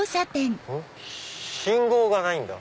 信号がないんだ。